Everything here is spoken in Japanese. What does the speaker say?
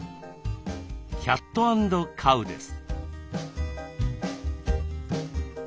「キャット＆カウ」です。